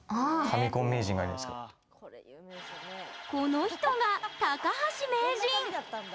この人が高橋名人。